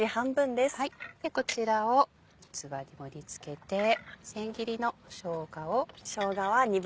こちらを器に盛り付けてせん切りのしょうがを。